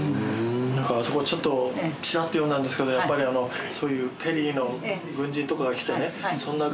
あそこをちょっとちらっと読んだんですけどやっぱりそういうペリーの軍人とかが来てねそんな。